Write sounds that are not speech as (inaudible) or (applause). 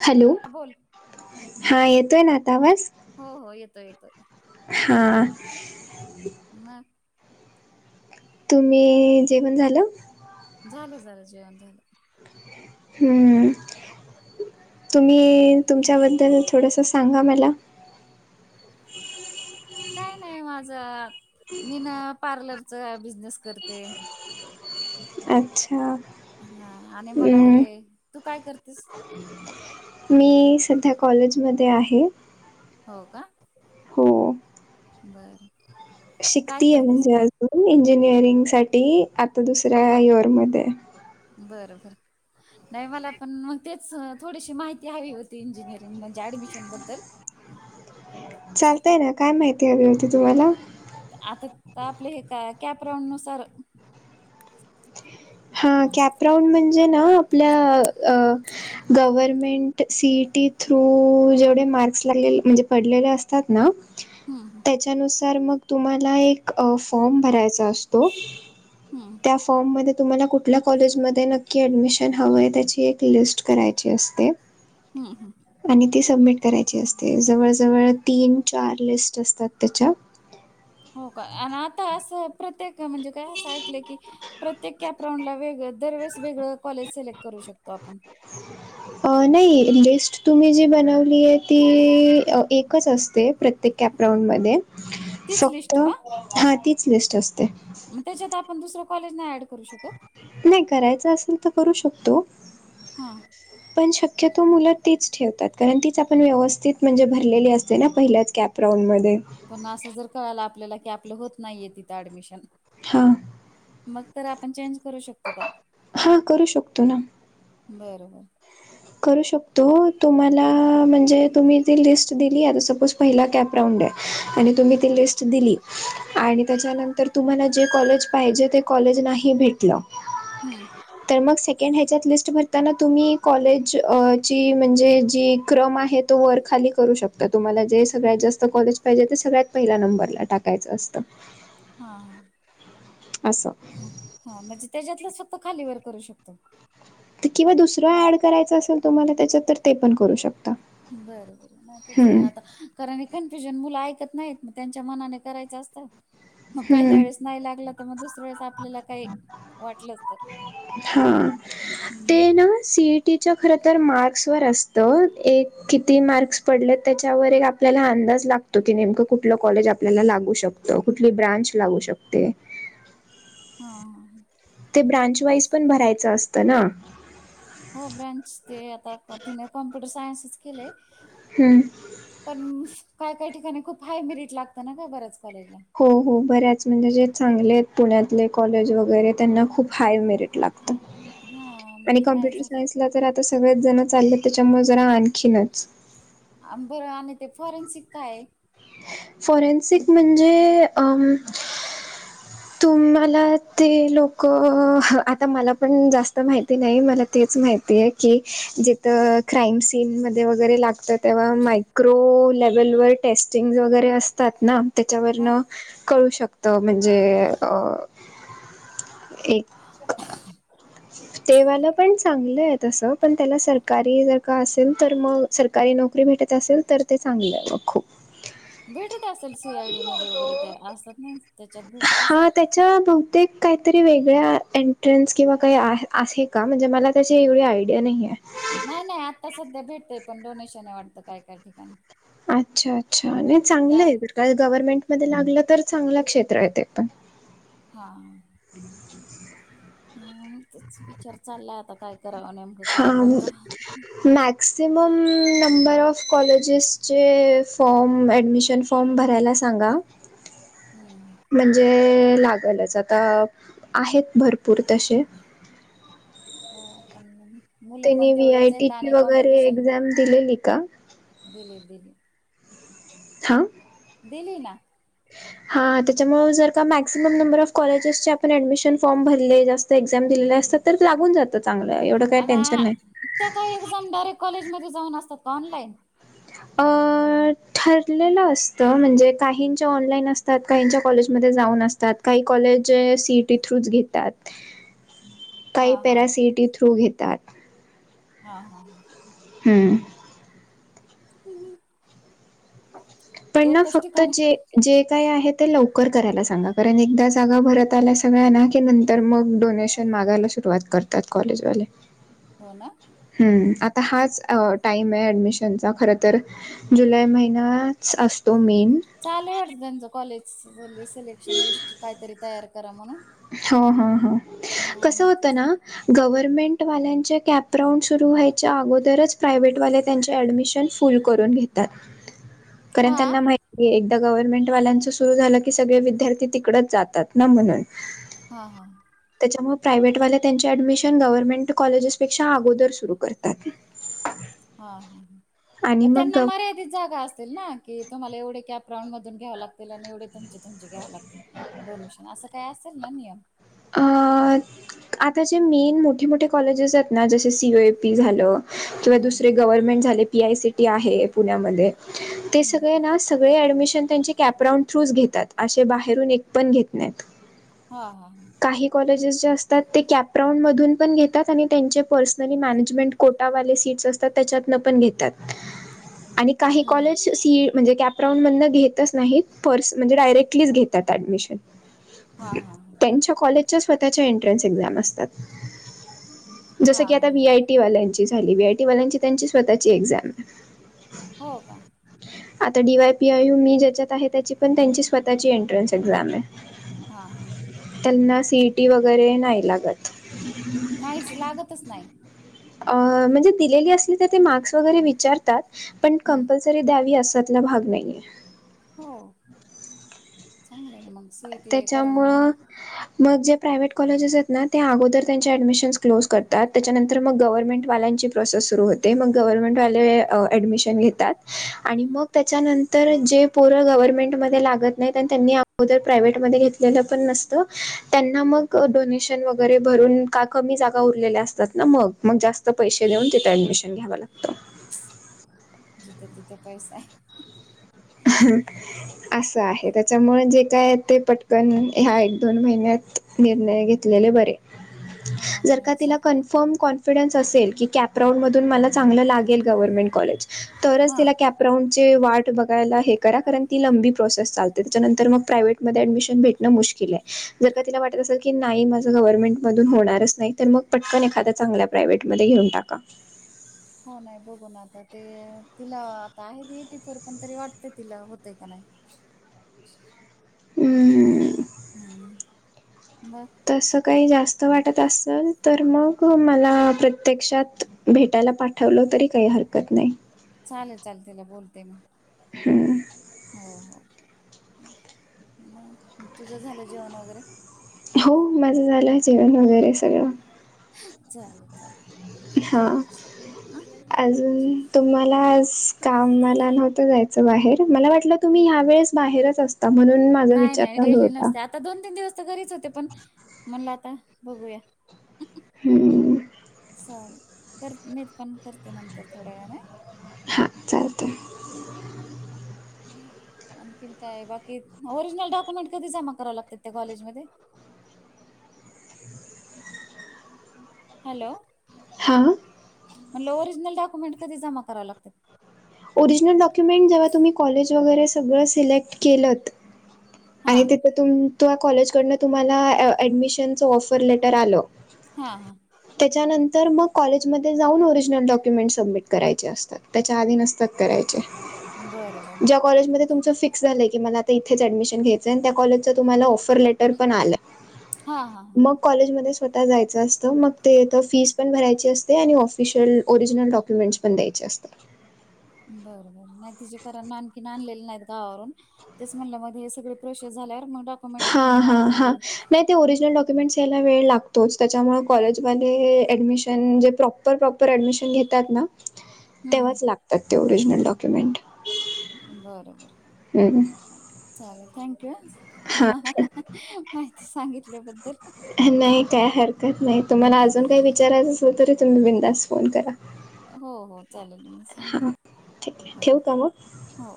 Hello. बोल. हा येतोय ना आता आवाज? हो हो येतोय येतोय. हा. मग तुम्ही जेवण झालं? झालं झालं जेवण झालं. हम्म तुम्ही तुमच्याबद्दल थोडंसं सांगा मला. काय नाही माझ, मी ना पार्लरचा बिझनेस करते. अच्छा! हा आणि मला हे हम्म. तू कायकरतेस? मी सध्या कॉलेजमध्ये आहे. हो का हो बरं शिकतीय म्हणजे अजून इंजिनिअरिंग साठी आता दुसऱ्या युअरमध्ये बरोबर नाही मला पण मग तेच थोडीशी माहिती हवी होती, इंजिनिअरिंग म्हणजे ऍडमिशन बद्दल. चालतय ना काय माहिती हवी होती तुम्हाला, आता आपले हे काय कॅप्रॉन नुसार, हा कॅपराऊन म्हणजे ना आपल्या अ.. गव्हर्मेंट सीईटी थ्रू जेवढे मार्क्स लागले म्हणजे पडलेले अस. त्याात ना. हम्म. त्यानुसार म तुम्हाला एक फॉर्म भरायचा असतो. हम्म (unintelligible) तुम्हाला कुठल्या कॉलेजमध्ये नक्की ऍडमिशन हवंय त्याची एक लिस्ट करायची असते. हम्म. आणि ती सबमिट करायची असते जवळ जवळ तीन चार लिस्ट असतात त्याच्या. हो का आणि आता असं प्रत्येक म्हणजे काय असं ऐकलंय की प्रत्येक कॅपराऊंडला वेग दरवेळेस वेगळं कॉलेज सिलेक्ट करू शकतो आपण. नाही लिस्ट तुम्ही जी बनवली आहे ती एकच असते प्रत्येक. कॅपरॉनमध्ये मध्ये तीच फक्त लिस्ट का हा तीच लिस्ट असते. मग त्याच्यात आपण दुसरं कॉलेज नाही ऍड करू शकत? नाही करायच असेल तर करू शकतो. हां पण मुख्यतो मुलं तीच ठेवतात कारण तीच आपण व्यवस्थित म्हणजे भरलेली असते ना पहिल्याच कॅपराऊंडमध्ये. पण असं जर कळाला आपल्याला की आपलं होत नाहीये तिथं ऍडमिशन. हा मग तर आपण चेंज करू शकतो. का हा करू शकतो. बरं. करू शकतो तुम्हाला म्हणजे तुम्ही ती लिस्ट दिली आता सपोज पहिला कॅपराऊंड आहे आणि तुम्ही ती लिस्ट दिली. आणि त्याच्यानंतर तुम्हाला जे कॉलेज पाहिजे ते कॉलेज नाही भेटलं. हम्म. तर मग सेकंड ह्याच्यात लिस्ट भरताना तुम्ही कॉलेजची म्हणजे जी. क्रम आहे तो वर खाली करू शकतो. तर तुम्हाला जे सगळ्यात जास्त कॉलेज पाहिजे ते सगळ्यात पहिला नंबरला टाकायचं असतं. हां. असं. हा म्हणजे त्याच्यातलंच फक्त खालीवर करू शकतो. ते किंवा दुसरं ऍड करायचं असेल तुम्हाला त्याच्यात तर ते पण करू शकता. बर बर, नाय तेच हम्म म्हणलं आता कारण हे कन्फ्युजन मुलं ऐकत नाहीत, मग त्यांच्या मनाने करायचं असतं. मग पहिल्या हम्म वेळेस नाही लागला तर मग दुसऱ्या वेळेस आपल्याला काही वाटलंच तर. हा. हम्म. तिच्या खरं तर मार्क्स वर असतं, एक किती मार्क्स पडले त्याच्यावर एक आपल्याला अंदाज लाग तो की नेमकं कुठलं कॉलेज आपल्याला लागू शकतं, कुठली ब्रांच लागू शकते? हा हा हा. ते ब्रांच वाईज होच पण भरायचं असतं ना. हो ब्रांच ते आता तिने कॉम्प्युटर सायन्सच केलंय. हम्म. पण काय काय ठिकाणी खूप हाय मिरिट लागतं ना गं बऱ्याच कॉलेजला. हो हो, बऱ्याच म्हणजे जे चांगले आहेत पुण्यातले कॉलेज वगैरे त्यांना खूप हाय मिरिट लाग त हा मग आणि ते नाही कम्प्यूटर झालं सायन्स ला जरा आता सगळेच जण चाललेत त्याच्यामुळे जरा आणखीनच. आ बरं आणि ते फॉरेन्सिक कायए? फॉरेन्सिक म्हणजे अ तुम्हाला ते लोकं, आता मला पण जास्त माहिती नाही, मला तेच माहिती आहे की जिथं क्राईम सीनमध्ये वगैरे लागतं तेव्हा मायक्रो लेवलवर टेस्टिंगज वगैरे असतात ना हा त्याच्यावरनं कळू शकतं म्हणजे अ एक ते वालं पण चांगलंय तसं, पण त्याला सरकारी जर का असेल तर मग सरकारी नोकरी भेटत असेल तर ते चांगले आहे मग खूप. भेटत असेल सी आयडी मध्ये वगैरे ते असतात ना, त्याच्यात भेटत असेल. च्या बहुतेक काहीतरी वेगळ्या एंट्रन्स किंवा काही आ आहे का? म्हणजे मला त्याची एवढी आयडिया नाहीये. नाही नाही आत्ता सध्या भेटतंय, पण डोनेशन आहे वाटतं काय काय ठिकाणी. अच्छा अच्छा, नाही चांगलंय डायरेक्ट जर का गव्हर्नमेंट मध्ये लागलं तर चांगलं क्षेत्र आहे ते पण. हा. हम्म तेच विचार चाललाय आता करावा नेमकं? हा काय कोणतं (unintelligible) मॅक्सिमम नंबर ऑफ कॉलेजेस चे फॉर्म ऍडमिशन फॉर्म भरायला सांगा. हम्म हम्म. म्हणजे लागलच आता आहेत भरपूर तशे. हो पण मग, मुलं पण त्यांनी व्ही आय तेवढेच हायत टीची आणि वगैरे कॉम्पिटिशन एक्झाम दिलेली का दिलेत दिले. हा? दिली ना. (unintelligible) हा, त्याच्यामुळं जर का मॅक्सिमम नंबर ऑफ कॉलेजेसचे आपण ॲडमिशन फॉर्म भरले असते, एक्झाम दिलेले असतात. तर लागून जातं चांगलं, एवढं काही टेन्शन नाही. आणि त्या काही एक्झाम डायरेक्ट कॉलेजमध्ये जाऊन असतात का ऑनलाईन? (inaudible) अं ठरलेलं असतं म्हणजे, काहींच्या ऑनलाईन असतात काहींच्या कॉलेजमध्ये जाऊन असतात काही कॉलेज सीईटी थ्रूच घेतात. काही हा पॅरासिइटी थ्रू घेतात हा, हा, हा हम (unintelligible) त्येना एकच फक्त ठिकाणी जे, जे काय आहे ते लवकर करायला सांगा कारण एकदा जागा भरत आल्या सगळ्याना की नंतर मग डोनेशन मागायला सुरुवात करतात कॉलेजवाले. हो ना आता हाच टाईम आहे ॲडमिशनचा खरं तर जुलै महिनां च असतो मेन चालेय वाटतं त्यांचं कॉलेज सिलेक्शन लिस्ट काहीतरी तयार करा म्हणून हम हम हम्मं हा कसं मग होतं ना त्याचा गव्हर्मेंट वाल्यांचे कॅप राउंड सुरू व्हायच्या अगोदरच प्रायव्हेटवाले त्यांचे ऍडमिशन फुल करून घेतात कारण हा त्यांना माहि एकदा गव्हर्नमेंट वाल्यांचं सुरु झालं की सगळे विद्यार्थी तिकडच जातात ना म्हणून हा हा त्येच्यामुळ प्रायव्हेटवाल्या त्यांची ऍडमिशन गव्हर्नमेंट कॉलेजेसपेक्षा अगोदर सुरू करतात. (unintelligible) हा आणि हा मग त्यांना गव्ह मर्यादित जागा असतील ना, की तुम्हाला एवढे कॅप राउंड मधून घ्याव लागतील आणि एवढे तुमचे, तुमचे घ्याव लागतील डोनेशन असं काय असेल ना नियम? आं, आता जे मेन मोठे मोठे कॉलेजेस आहेत ना जसे सी य ए पी झालं किंवा हम्म दूसरे गव्हरमेंट झाले पी आय सी टी आहे पुण्यामध्ये ते हम्म सगळे ना सगळे ऍडमिशन त्यांचे कॅपराउंड थ्रूच घेतात असे बाहेरून एक पण घेत नाहीतं. हा हा काही कॉलेजेस जे असतात ते कॅप्राउंड मधून पण घेतात आणि त्यांचे पर्सनली मॅनेजमेंट कोठावाले सीट्स असतात त्येच्यातन पण घेतात आणि काही हम्म कॉलेज सी म्हणजे कॅप राउंड मधनं घेतच नाहीत पर्स, म्हणजे डायरेक्टलीच घेतात ऍडमिशन. हा हा ह त्येच्या कॉलेजच्या स्वतःच्या इंटरेस्ट एक्झाम असतात, जस हा हा की आता हा वी आय वाल्याची झाली वी आय टी वाल्यांची त्यांची स्वतःची एक्झाम हो का आता डी वाय पीआयू मी ज्याच्यात आहे त्याची पण त्यांची स्वतःची एंट्रन्स एक्झाम हाय हा हा त्यांना सीईटी वगैरे नाही लागत. नाहीच लागतच नाही. म्हणजे दिलेली असली तर मार्कस वैगेरे विचारत पण हम्म कंप सरी द्यावी असल्यातला भाग नाहीये हो, चांगलंय मंग त्याच्यामूळ मग जे प्रायव्ट कॉलेजेस आहेत ना त्या अगोदर त्यांच्या ऍडमिशन क्लोज करतात त्याच्यानंतर तर मग गव्हर्मेंटवाल्यांची प्रोसेस सुरू होते, मग गव्हर्मेंटवाले ॲडमिशन घेतात आणि मग त्येच्यानंतर जे पोर गव्हर्नमेंटमध्ये लागत नाहीत आणि त्यांनी अगोदर प्रायव्टमध्ये घेतलेलं पण नसत, त्यांना मग डोनेशन वगैरे भरून का कमी जागा उरलेल्या असतात ना मग, मग जास्त पैसे देऊन तिथे ऍडमिशन घ्याव लागतं. जिथं तिथं पैसा आहे. ह (unintelligible) असं आहे, त्याच्यामुळे जे काय ते पटकन ह्या एक दोन महिन्यात निर्णय घेतलेले बरे. हा जर नाही का असा तिला कन्फर्म कॉन्फिडन्स असेल की कॅप राऊंड मधून मला चांगलं लागेल गव्हर्मेंट कॉलेज, तरच हा तीला कॅप राऊंड चे वाट बघायला हे करा कर ती (unintelligible) लंबी प्रोसेस चालते त्याच्यानंतर मग प्रायव्हेट मध्ये ऍडमिशन भेटणं मुश्किल हे, जर का तिला वाटत असेल की, की नाही माझं गव्हर्नमेंट मधून होणारच नाही तर मग पटकन एखाद्या चांगल्या प्रायव्हेट मध्ये घेऊन टाका. हो नाही बघून आता, ते तिला आता आहे एटी फोर पण तरी वाटत तिला होतंय का नाही. हम, ह हम्म, मग तसं काही जास्त वाटत असल तर मग मला प्रत्यक्षात भेटायला पाठवलं तरी काही हरकत नाही. चालेल चलेल तिला बोलते मी. हम्म. हो हो, तुझं झालं जेवण वगैरे? हो माझं झालं जेवण वगैरे सगळं. चालेल चालेल. हा, ह अजून तुम्हाला आज कामाला नव्हतं जायचं. बाहेर, मला वाटलं तुम्ही ह्या वेळेस बाहेरच असता, म्हणून माझा नाही विचार नाही चालू डेली होता. नसते आता दोन- तीन दिवस घरीच होते पण, म्हणल आता बघूया. हम्म.... चालेल, कर मी पण करते नंतर थोड्या वेळाने हा. हा, चालतय. (inaudible) आणखीन काय बाकी? ओरिजिनल डॉक्युमेंट कधी जमा कराव लागतात त्या कॉलेजमध्येध्ये? हॅलो. हां. म्हणलं ओरिजनल डॉक्यमेंट कधी जमा कराव लागतात? ओरिजनल डॉक्युमेंट जेव्हा तुम्ही कॉलेज वगैरे सगळं सिलेक्ट केलत, हां आणि ते तुम -तुया कॉलेज कडनं तुम्हाला ऍडमिशन ऑफर लेटर आलं हा हा... त्याच्यानंतर मग कॉलेजमध्ये जाऊन ओरिजिनल डॉक्युमेंट सबमिट करायचे असतात, त्याच्या आधी नसतं. नसतात करायचे. बरं बरं जो कॉलेजमध्ये तुमचं फिक्स झालं आहे. की मला आता इथेच ॲडमिशन घ्यायचं आहे. त्या कॉलेजचा तुम्हाला ऑफरलेटर पण आलं आहे. हा हा... मग कॉलेजमध्ये स्वतः जायचं असतं मग तेथं फीस पण भरायची असते. आणि ऑफिशियल ओरिजिनल डॉक्युमेंट्स पण द्यायचे असतात. बरं बरं बर, नाय तीचे कारण आणखीन आणलेले नाही. गावावरून, तेच म्हणला मग तिचे सगळे प्रोसेस झाल्यावर मग डॉक्युमेंट हा घेऊन हा मागून हा, घेऊ नाही ते ओरिजिनल डॉक्युमेंट्स यायला वेळ लागतोच, त्याच्यामुळे कॉलेजमध्ये ॲडमिशन जे प्रॉप प्रॉपर प्रॉपर ऍडमिशन घेतात ना, हम्म तेव्हाच लागतात ते ओरिजिनल डॉक्युमेंट. बर बर हम्म. चालेल. Thanks. तुम्ही हां मला माहिती सांगितल्याबद्दल. नाही. काय हरकत नाही. तुम्हाला अजून काही विचारायचं असल तरी तुम्ही बिंदास फोन करा. हो हो चालेल. मी हां सांगते. ठीक आहे हो. ठेवू का मग हो.